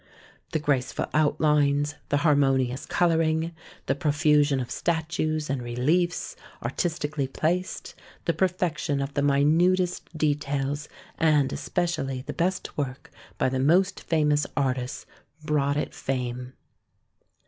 The graceful outlines, the harmonious colouring, the profusion of statues and reliefs artistically placed, the perfection of the minutest details, and especially the best work by the most famous artists, brought it fame.